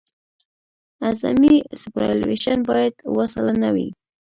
اعظمي سوپرایلیویشن باید اوه سلنه وي